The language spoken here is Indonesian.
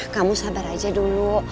kamu sabar aja dulu